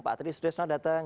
pak atri sudesno datang